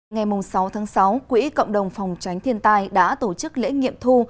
ngày sáu tháng sáu quỹ cộng đồng phòng tránh thiên tai đã tổ chức lễ nghiệm thu